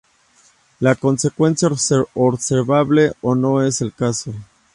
La consecuencia observable O no es el caso.